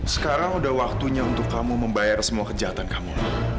sekarang sudah waktunya untuk kamu membayar semua kejahatan kamu